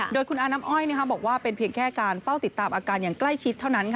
โดยคุณอาน้ำอ้อยบอกว่าเป็นเพียงแค่การเฝ้าติดตามอาการอย่างใกล้ชิดเท่านั้น